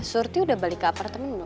surti udah balik ke apartemen gak